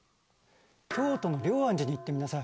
京都の龍安寺に行ってみなさい。